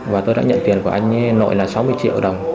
và tôi đã nhận tiền của anh nội là sáu mươi triệu đồng